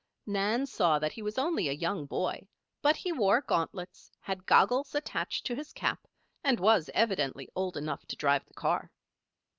Nan saw that he was only a young boy; but he wore gauntlets, had goggles attached to his cap, and was evidently old enough to drive the car.